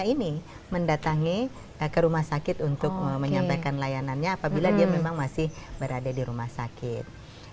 ini mendatangi ke rumah sakit untuk menyampaikan layanannya apabila dia memang masih berada di rumah sakit